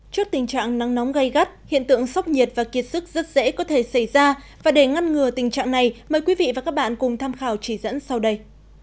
trước tình trạng nắng nóng gây gắt hiện tượng sóc nhiệt và kiệt sức rất dễ có thể xảy ra và để ngăn ngừa tình trạng này mời quý vị và các bạn cùng tham khảo chỉ dẫn sau đây